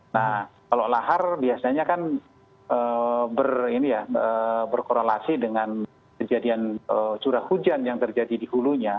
nah kalau lahar biasanya kan berkorelasi dengan kejadian curah hujan yang terjadi di hulunya